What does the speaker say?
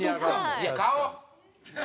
いや顔！